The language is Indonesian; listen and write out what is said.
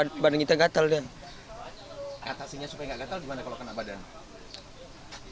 atasnya supaya nggak gatel gimana kalau kena badan